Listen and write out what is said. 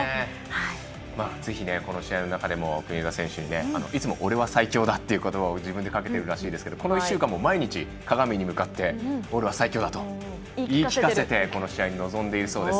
ぜひこの試合の中でも国枝選手にいつも俺は最強だということばを自分でかけて入るそうですがこの１週間も、毎日鏡に向かって俺は最強だと言い聞かせて、この試合に臨んでいるそうです。